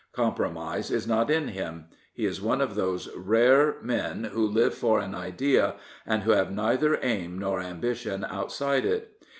Com promise is not in him. He is one of those rare men who live for an idea, and who have neither aim nor ambition outside it.